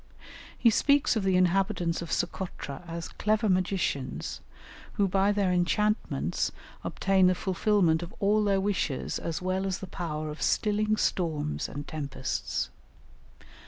He speaks of the inhabitants of Socotra as clever magicians, who, by their enchantments, obtain the fulfilment of all their wishes as well as the power of stilling storms and tempests.